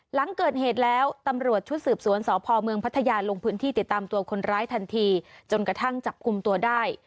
หลังเกิดเหตุแล้วตำรวจชุดสืบสวนสพเมืองพัทยาลงพื้นที่ติดตามตัวคนร้ายทันทีจนกระทั่งจับกลุ่มตัวได้